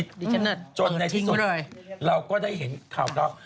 ดิฉันจนในที่สุดเราก็ได้เห็นข่าวเรา